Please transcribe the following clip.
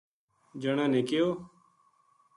جنا نے کہیو